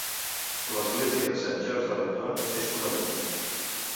L'església de Saint George d'Arreton és coneguda.